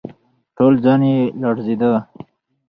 ټول ځان يې لړزېده.